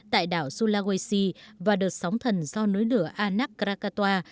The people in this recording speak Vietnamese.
tại đảo sulawesi và đợt sóng thần do núi nửa anak krakatoa